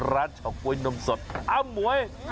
ร้านชาวก๊วยนมสดอ้าวมวย